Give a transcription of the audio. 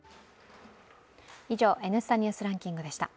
以上、「Ｎスタ・ニュースランキング」でした。